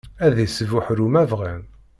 Ad isbuḥru ma bɣan.